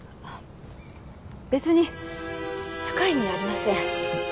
別に深い意味はありません。